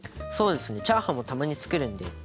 そうですねチャーハンもたまに作るんで。